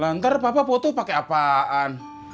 lantar papa foto pake apaan